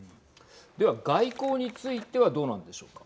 では、外交についてはどうなんでしょうか。